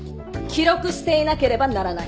記録していなければならない。